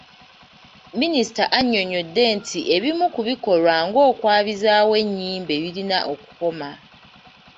Minisita annyonnyodde nti ebimu ku bikolwa ng’okwabizaawo ennyimbe birina okukoma.